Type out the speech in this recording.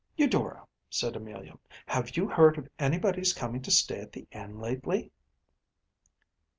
‚ÄúEudora,‚ÄĚ said Amelia, “have you heard of anybody’s coming to stay at the inn lately?